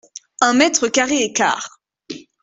Un mètre carré et quart.